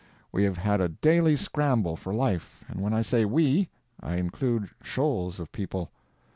We have had a daily scramble for life; and when I say we, I include shoals of people.